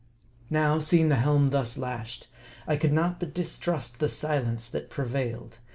Now, seeing the helm thus lashed, I could not but dis trust the silence that prevailed.